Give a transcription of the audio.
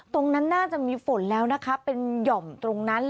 ตรงนั้นน่าจะมีฝนแล้วนะคะเป็นหย่อมตรงนั้น